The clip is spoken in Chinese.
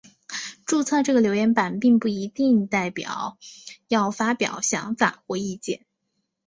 注册这个留言版并不代表一定要发表想法或意见。